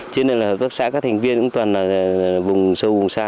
cho nên là hợp tác xã các thành viên cũng toàn là vùng sâu vùng xa